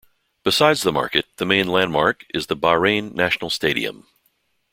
Besides the market, the main landmark is the Bahrain National Stadium.